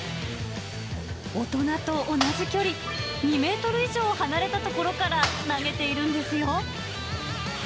大人と同じ距離、２メートル以上離れた所から投げているんですよ。